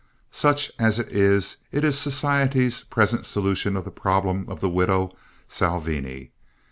Such as it is, it is society's present solution of the problem of the widow Salvini.